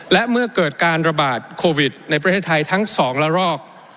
และเมื่อเกิดการระบาดโควิดในประเทศไทยทั้ง๒ละรอก